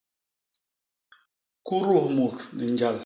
Kudus mut ni njal.